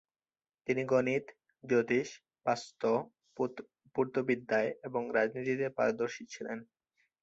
তিনি গণিত, জ্যোতিষ, বাস্তু, পূর্তবিদ্যায় এবং রাজনীতিতে পারদর্শী ছিলেন।